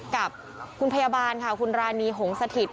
กับคุณพยาบาลค่ะคุณรานีหงสถิต